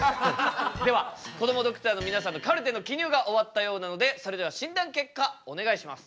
ではこどもドクターの皆さんのカルテの記入が終わったようなのでそれでは診断結果お願いします。